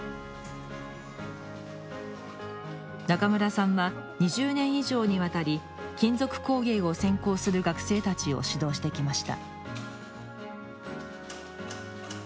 中村さんは２０年以上にわたり金属工芸を専攻する学生たちを指導してきました